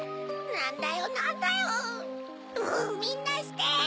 なんだよなんだよもうみんなして。